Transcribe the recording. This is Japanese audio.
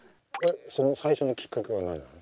その最初のきっかけは何なの？